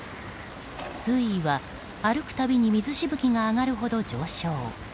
水位は歩くたびに水しぶきが上がるほど上昇。